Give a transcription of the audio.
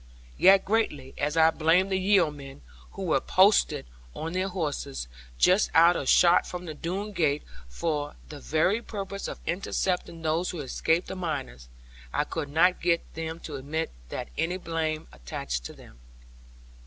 Yet greatly as I blamed the yeomen, who were posted on their horses, just out of shot from the Doone gate, for the very purpose of intercepting those who escaped the miners, I could not get them to admit that any blame attached to them.